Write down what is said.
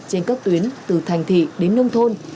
trên các tuyến từ thành thị đến nông thôn